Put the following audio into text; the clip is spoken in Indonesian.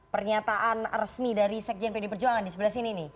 pernyataan resmi dari sekjen pd perjuangan di sebelah sini nih